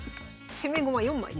攻め駒４枚です。